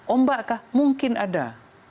ombak kah mungkin ada